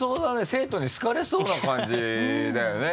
生徒に好かれそうな感じだよね。